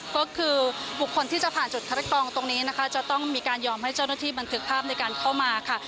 ก็คือบุคคลที่จะผ่านจุดคัดกองตรงนี้นะคะจะต้องมีการยอมให้เจ้าหน้าที่บันทึกภาพในการเข้ามาค่ะ